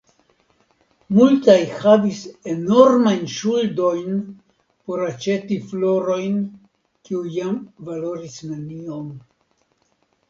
Multaj havis enormajn ŝuldojn por aĉeti florojn kiuj jam valoris neniom.